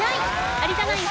有田ナイン